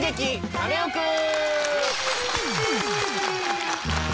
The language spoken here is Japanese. カネオくん」。